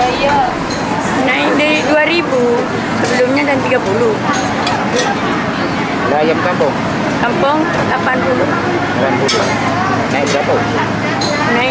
iya iya naik dari rp dua sebelumnya dan rp tiga puluh